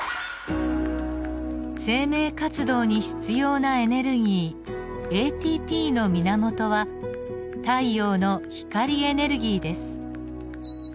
生命活動に必要なエネルギーＡＴＰの源は太陽の光エネルギーです。